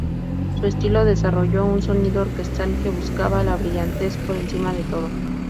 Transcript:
Su estilo desarrolló un sonido orquestal que buscaba la brillantez por encima de todo.